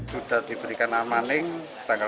sudah diberikan amaning tanggal empat belas